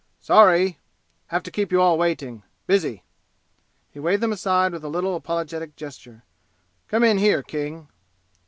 "Sorry have to keep you all waiting busy!" He waved them aside with a little apologetic gesture. "Come in here, King."